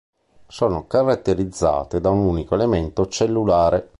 Sono caratterizzate da un unico elemento cellulare.